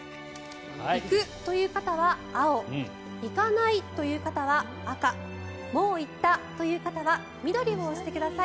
行くという方は青行かないという方は赤もう行ったという方は緑を押してください。